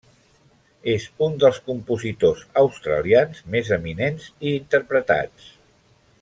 És un dels compositors australians més eminents i interpretats.